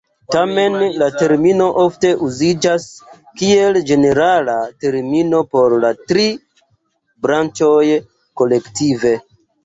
Tamen, la termino ofte uziĝas kiel ĝenerala termino por la tri branĉoj kolektive.